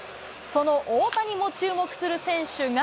その大谷も注目する選手が。